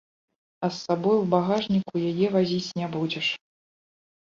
А з сабой у багажніку яе вазіць не будзеш.